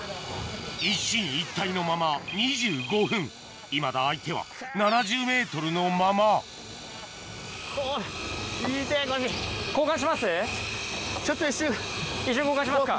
一進一退のまま２５分いまだ相手は７０ｍのまま一瞬交換しますか。